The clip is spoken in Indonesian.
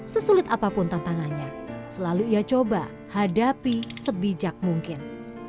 sesulit apapun tantangannya selalu ia coba hadapi sebijak mungkin